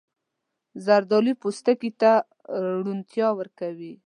زردالو پوستکي ته روڼتیا ورکوي.